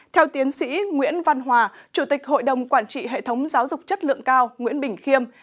theo tiến sĩ nguyễn văn hòa chủ tịch hội đồng quản trị hệ thống giáo dục chất lượng cao nguyễn bình khiêm